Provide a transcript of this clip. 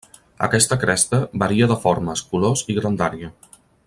Aquesta cresta varia de formes, colors i grandària.